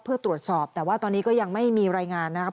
เพื่อตรวจสอบแต่ว่าตอนนี้ก็ยังไม่มีรายงานนะครับ